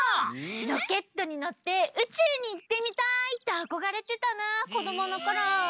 ロケットにのってうちゅうにいってみたいってあこがれてたなこどものころ。